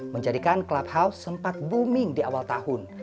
menjadikan clubhouse sempat booming di awal tahun